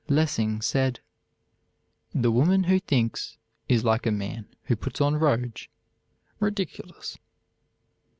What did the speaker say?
Lessing said: "The woman who thinks is like a man who puts on rouge, ridiculous."